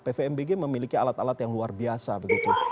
pvmbg memiliki alat alat yang luar biasa begitu